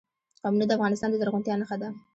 قومونه د افغانستان د زرغونتیا نښه ده.